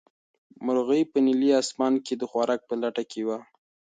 مرغۍ په نیلي اسمان کې د خوراک په لټه کې وه.